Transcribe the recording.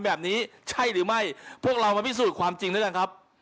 แบบนี้ใช่หรือไม่พวกเรามาพิสูจน์ความจริงด้วยกันครับ